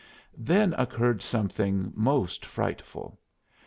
Then occurred something most frightful.